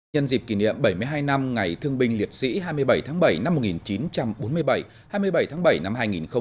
nhân dịp kỷ niệm bảy mươi hai năm ngày thương binh liệt sĩ hai mươi bảy tháng bảy năm một nghìn chín trăm bốn mươi bảy hai mươi bảy tháng bảy năm hai nghìn một mươi chín